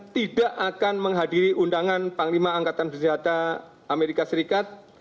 tidak akan menghadiri undangan panglima angkatan bersenjata amerika serikat